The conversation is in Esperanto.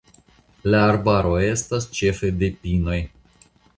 La arbaro estas ĉefe de pinoj.